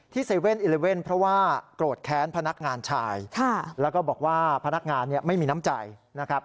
๗๑๑เพราะว่าโกรธแค้นพนักงานชายแล้วก็บอกว่าพนักงานเนี่ยไม่มีน้ำใจนะครับ